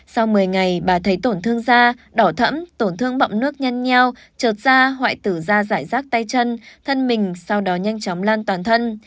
sau một mươi ngày bà thấy tổn thương da đỏ thẩm tổn thương bậm nước nhăn nheo trượt da hoại tử da giải rác tay chân thân mình sau đó nhanh chóng lan toàn thân